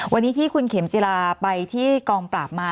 วันนี้ที่คุณเข็มจิลาไปที่กองปราบมา